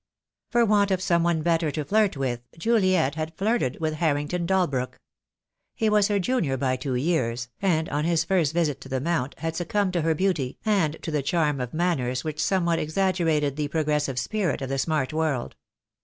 For want of some one better to flirt with, Juliet had flirted with Harrington Dalbrook. He was her junior by two years, and on his first visit to the Mount had suc cumbed to her beauty, and to the charm of manners which somewhat exaggerated the progressive spirit of the smart world.